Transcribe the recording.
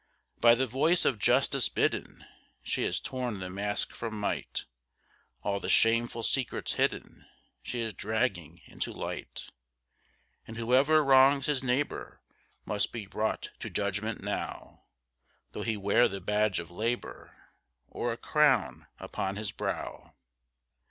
By the voice of Justice bidden, she has torn the mask from might; All the shameful secrets hidden, she is dragging into light; And whoever wrongs his neighbour must be brought to judgment now, Though he wear the badge of Labour, or a crown upon his brow.